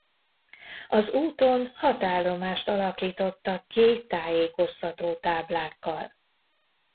Az úton hat állomást alakítottak ki tájékoztató táblákkal.